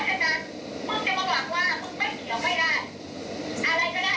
คุณบอกงานว่าคุณไม่ได้ทำอะไรกับพวกคุณเลย